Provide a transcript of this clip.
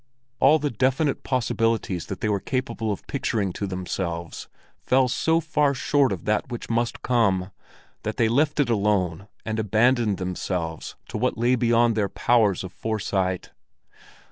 All the definite possibilities that they were capable of picturing to themselves fell so far short of that which must come, that they left it alone and abandoned themselves to what lay beyond their powers of foresight.